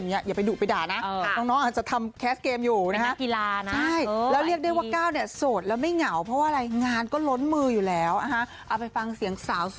เยอะอยู่แล้วอะไรอย่างเงี้ย